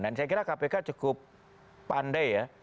dan saya kira kpk cukup pandai ya